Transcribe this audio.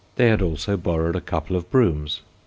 They had also borrowed a couple of brooms.